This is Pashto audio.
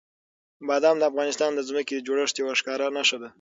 بادام د افغانستان د ځمکې د جوړښت یوه ښکاره نښه ده.